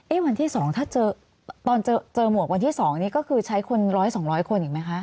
เอ๊ะวันที่สองถ้าเจอตอนเจอหมวกวันที่สองนี้ก็คือใช้คนร้อยสองร้อยคนอีกไหมคะ